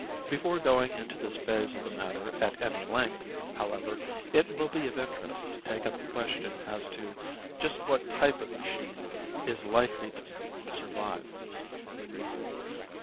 Before going into this phase of the matter at any length, however, it will be of interest to take up the question as to just what type of machine is likely to survive.